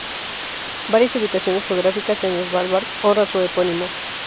Varias ubicaciones geográficas en Svalbard honran su epónimo.